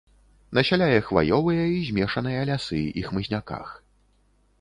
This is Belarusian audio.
Насяляе хваёвыя і змешаныя лясы і хмызняках.